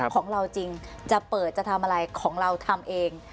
ของเราจริงจะเปิดจะทำอะไรของเราทำเอง